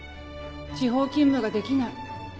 地方勤務ができない。